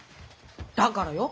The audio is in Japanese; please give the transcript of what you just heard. だからよ。